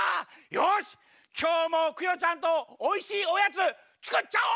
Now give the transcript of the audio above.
よしきょうもクヨちゃんとおいしいおやつつくっちゃお！